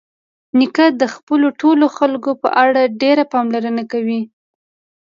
نیکه د خپلو ټولو خلکو په اړه ډېره پاملرنه کوي.